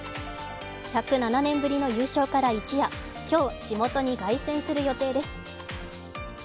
１０７年ぶりの優勝から一夜、今日地元に凱旋する予定です。